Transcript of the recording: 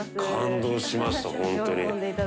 感動しましたホントに。